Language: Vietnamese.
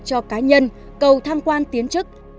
cho cá nhân cầu tham quan tiến trức